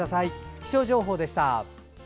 気象情報でした。